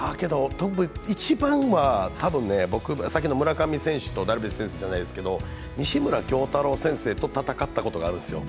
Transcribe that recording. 一番は、さっきの村上選手とダルビッシュさんじゃないけど西村京太郎先生と戦ったことがあるんですよ。